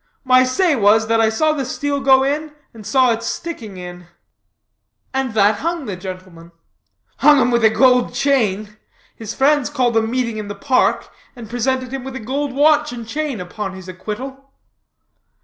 "My say was that I saw the steel go in, and saw it sticking in." "And that hung the gentleman." "Hung him with a gold chain! His friends called a meeting in the Park, and presented him with a gold watch and chain upon his acquittal."